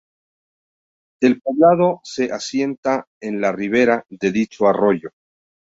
El poblado se asienta en la rivera de dicho Arroyo.